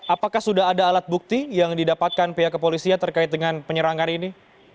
apakah sudah ada alat bukti yang didapatkan pihak kepolisian terkait dengan penyerangan ini